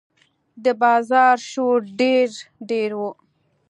د بازار شور ډېر ډېر و.